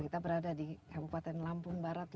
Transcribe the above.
kita berada di kabupaten lampung barat